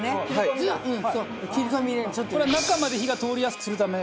これは中まで火が通りやすくするため。